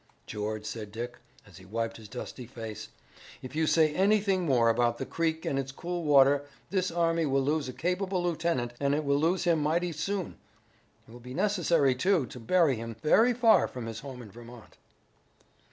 "George," said Dick, as he wiped his dusty face, "if you say anything more about the creek and its cool water this army will lose a capable lieutenant, and it will lose him mighty soon. It will be necessary, too, to bury him very far from his home in Vermont."